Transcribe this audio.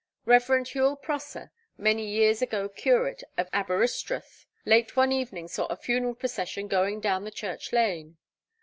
Rev. Howel Prosser, many years ago curate of Aberystruth, late one evening saw a funeral procession going down the church lane.